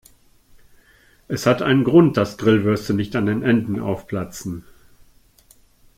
Es hat einen Grund, dass Grillwürste nicht an den Enden aufplatzen.